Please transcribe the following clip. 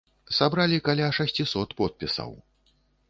Сабралі каля шасцісот подпісаў.